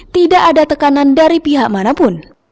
tidak ada tekanan dari pihak manapun